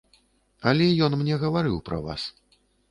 Але ён мне гаварыў пра вас.